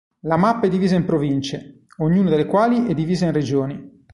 La mappa è divisa in province, ognuna delle quali è divisa in regioni.